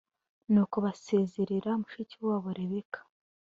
Nuko basezerera mushiki wabo Rebeka